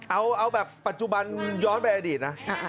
เอาแบบปัจจุบันย้อนไปอดีตนะ